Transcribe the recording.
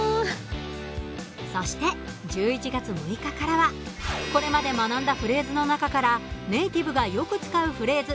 そして、１１月６日からはこれまで学んだフレーズの中からネイティブがよく使うフレーズ